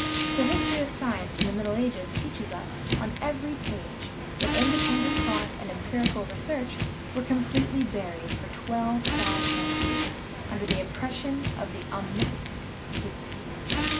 The history of science in the Middle Ages teaches us on every page that independent thought and empirical research were completely buried for twelve sad centuries under the oppression of the om nipotent papacy.